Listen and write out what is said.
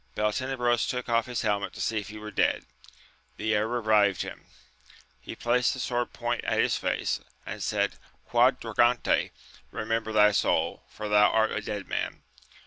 Beltenebros took off his helmet to see if he were dead ; the air revived him ; he placed the sword point at his face, and said, Quadragante, remember thy soul, for thou art a dead man.